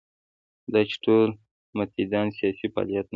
دا چې ټول متدینان سیاسي فعالیت نه کوي.